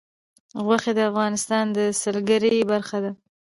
غوښې د افغانستان د سیلګرۍ برخه ده.